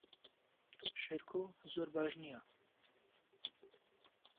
شێرکۆ زۆر باش نییە.